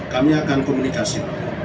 kami akan komunikasi